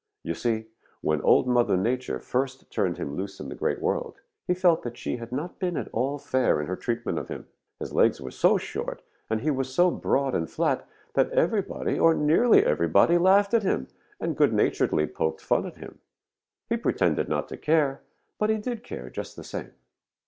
"You see, when Old Mother Nature first turned him loose in the Great World, he felt that she had not been at all fair in her treatment of him. His legs were so short and he was so broad and flat that everybody or nearly everybody laughed at him and good naturedly poked fun at him. He pretended not to care, but he did care, just the same.